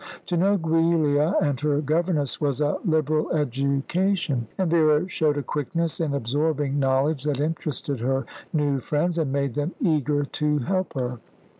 To know Giulia and her governess was a liberal education; and Vera showed a quickness in absorbing knowledge that interested her new friends, and made them eager to help her.